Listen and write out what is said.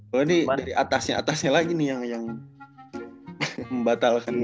kalo ini dari atasnya lagi nih yang membatalkan gitu